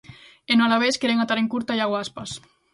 E no Alavés queren atar en curto a Iago Aspas.